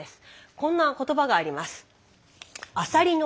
こんな言葉があります。